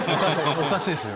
おかしいですよ。